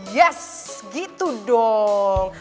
yes gitu dong